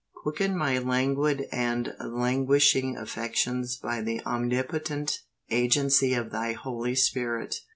Quicken my languid and languishing affections by the omnipotent agency of Thy Holy Spirit.